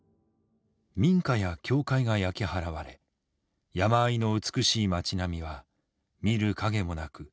民家や教会が焼き払われ山あいの美しい町並みは見る影もなく破壊されていた。